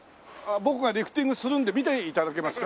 僕がリフティングするので見て頂けますか？